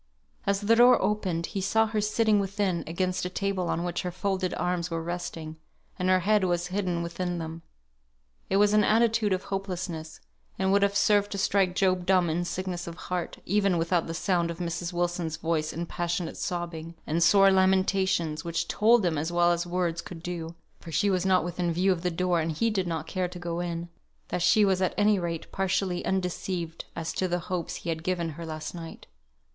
As the door opened he saw her sitting within, against a table on which her folded arms were resting, and her head was hidden within them. It was an attitude of hopelessness, and would have served to strike Job dumb in sickness of heart, even without the sound of Mrs. Wilson's voice in passionate sobbing, and sore lamentations, which told him as well as words could do (for she was not within view of the door, and he did not care to go in), that she was at any rate partially undeceived as to the hopes he had given her last night.